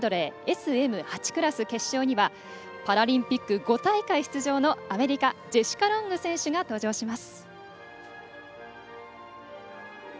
ＳＭ８クラス決勝にはパラリンピック５大会出場のアメリカのジェシカ・ロング選手登場します。